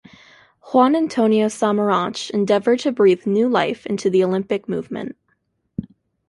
Juan Antonio Samaranch endeavoured to breathe new life into the Olympic Movement.